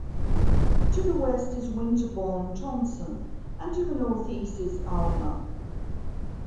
To the west is Winterborne Tomson and to the north-east is Almer.